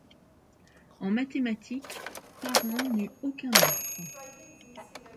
En mathématiques, Parent n'eut aucun maître.